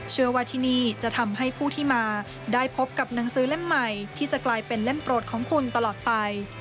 เชื่อว่าที่นี่จะทำให้ผู้ที่มาได้พบกับหนังสือเล่มใหม่ที่จะกลายเป็นเล่มโปรดของคุณตลอดไป